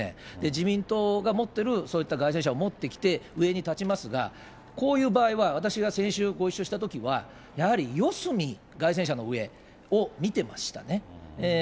自民党が持ってる、そういった街宣車を持ってきて上に立ちますが、こういう場合は、私が先週ご一緒したときは、やはり四隅、街宣車の上を見てましたね。